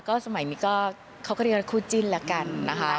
สมัยนี้ก็เขาก็เรียกว่าคู่จิ้นแล้วกันนะคะ